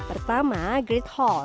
pertama grid hall